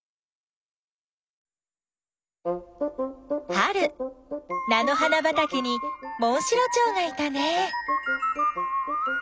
春なの花ばたけにモンシロチョウがいたね。